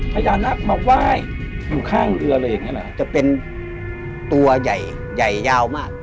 พญานาคมาไหว้อยู่ข้างเรือเลยอย่างนี้เหรอจะเป็นตัวใหญ่ใหญ่ยาวมาก